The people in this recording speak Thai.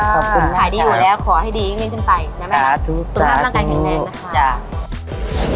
ขอบคุณค่ะขายดีอยู่แล้วขอให้ดีเงินขึ้นไปสาธุสาธุตรงนั้นร่างกายแข็งแรงนะคะ